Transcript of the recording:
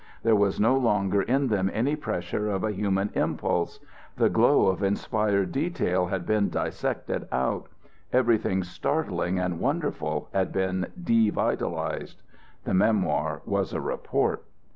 There was no longer in them any pressure of a human impulse. The glow of inspired detail had been dissected out. Everything startling and wonderful had been devitalized. The memoir was a report.